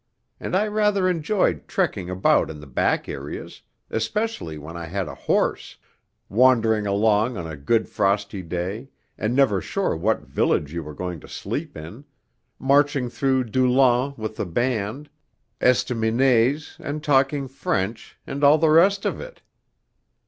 And I rather enjoyed "trekking" about in the back areas ... especially when I had a horse ... wandering along on a good frosty day, and never sure what village you were going to sleep in ... marching through Doullens with the band ... estaminets, and talking French, and all the rest of it....